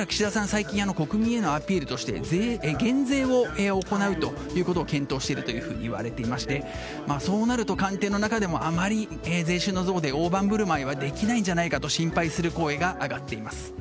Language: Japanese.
最近国民へのアピールとして減税を行うことを検討しているといわれていましてそうなると、官邸の中でもあまり税収増で大盤振る舞いはできないんじゃないかと心配する声が上がっています。